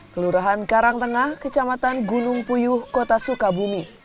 kelurahan karangtengah kecamatan gunung puyuh kota sukabumi